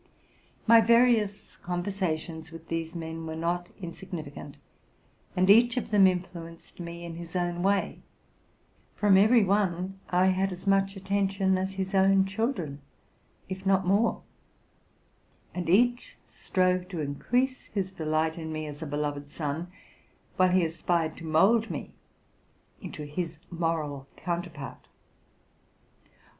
My various conversations with these men were not in significant, and each of them influenced me in his own way. From every one I had as much attention as his own children, if not more; and each strove to increase his de light in me as in a beloved son, while he aspired to mould me into his moral counterpart.